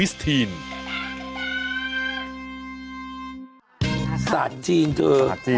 สาดจีนคือ